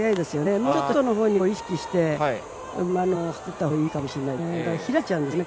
もうちょっとショートのほうに意識して走っていったほうがいいかもしれないですよね。